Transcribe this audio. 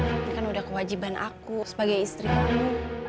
itu kan udah kewajiban aku sebagai istri kamu